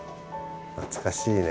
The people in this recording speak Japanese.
懐かしいね。